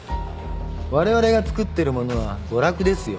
われわれが作ってるものは娯楽ですよ。